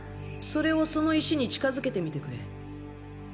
それをその石に近づけてみてくれ。